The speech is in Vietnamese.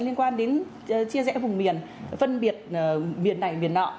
liên quan đến chia rẽ vùng miền phân biệt miền này miền nọ